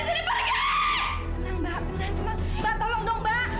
suruh dia pergi sekarang ibu